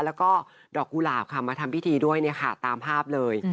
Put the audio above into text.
แล้วก็ดอกกุหลาบค่ะมาทำพิธีด้วยเนี่ยค่ะตามภาพเลย